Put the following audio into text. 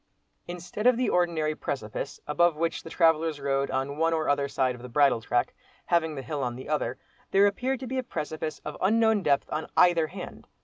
Instead of the ordinary precipice, above which the travellers rode, on one or other side of the bridle track, having the hill on the other, there appeared to be a precipice of unknown depth on either hand.